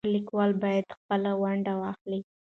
هر لیکوال باید خپله ونډه واخلي.